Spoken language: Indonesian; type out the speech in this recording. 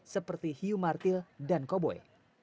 seperti hiu martil dan koboi